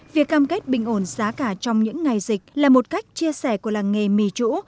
việc cam kết bình ổn giá cả trong những ngày dịch là một cách chia sẻ của làng nghề mì chủ